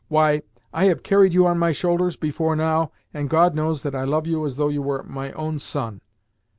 Why, I have carried you on my shoulders before now, and God knows that I love you as though you were my own son.